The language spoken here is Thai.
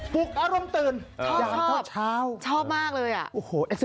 ปลุกอารมณ์ตื่นชอบอย่างเท่าเช้าชอบมากเลยอ่ะโอ้โห